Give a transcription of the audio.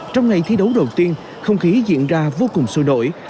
trong ngày thi đấu đầu tiên không khí diễn ra vô cùng sôi nổi